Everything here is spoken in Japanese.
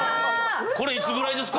これいつぐらいですか？